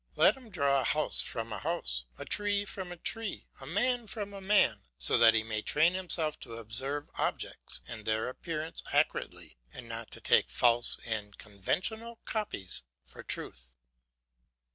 Let him draw a house from a house, a tree from a tree, a man from a man; so that he may train himself to observe objects and their appearance accurately and not to take false and conventional copies for truth.